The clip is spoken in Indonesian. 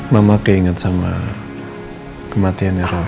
mama keinget sama kematiannya roll